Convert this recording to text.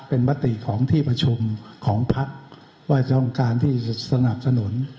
เป็นมติของที่ประชุมของพักว่าจะต้องการที่จะสนับสนุน